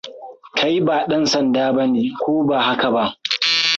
Kai ba ɗan sanda ba ne, ko ba haka ba?